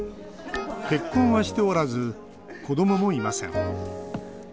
結婚はしておらず子どももいません。